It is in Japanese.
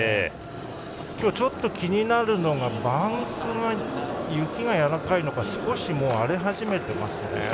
今日ちょっと気になるのがバンクの雪がやわらかいのか少し荒れ始めてますね。